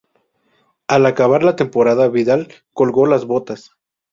Al acabar la temporada Vidal colgó las botas.